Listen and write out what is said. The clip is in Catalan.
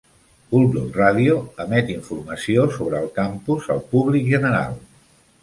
Bulldog Radio emet informació sobre el campus al públic general.